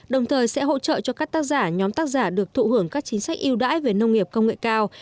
đồng thời sẽ hỗ trợ cho các tác giả nhóm tác giả được thụ hưởng các chính sách yêu đãi về nông nghiệp công nghệ cao